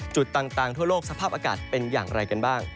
จุดต่างทั่วโลกสภาพอากาศเป็นอย่างไรกันบ้าง